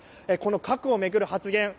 この核を巡る発言